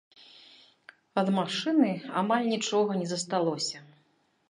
Ад машыны амаль нічога не засталося.